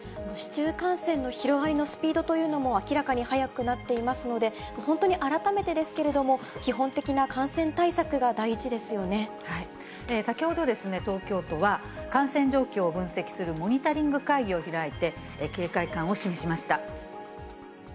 市中感染の広がりのスピードというのも、明らかに速くなっていますので、本当に改めてですけれども、先ほど、東京都は感染状況を分析するモニタリング会議を開いて、警戒感を示しました。